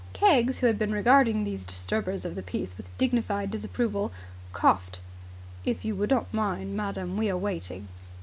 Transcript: Keggs, who had been regarding these disturbers of the peace with dignified disapproval, coughed. "If you would not mind, madam. We are waiting."